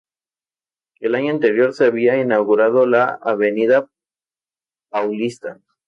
El año anterior se había inaugurado la Avenida Paulista.